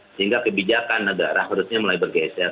sehingga kebijakan negara harusnya mulai bergeser